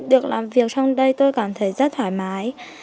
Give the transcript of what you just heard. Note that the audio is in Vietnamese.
được làm việc trong đây tôi cảm thấy rất thoải mái